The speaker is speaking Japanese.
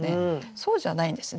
そうじゃないんですね。